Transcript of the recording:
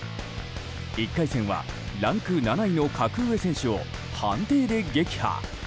１回戦はランク７位の格上選手を判定で撃破。